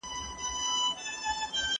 که تجربه تکرار نه سي علم نه جوړیږي.